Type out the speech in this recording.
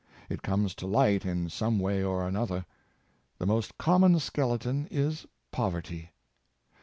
It comes to light in some way or another. The most common skeleton is poverty.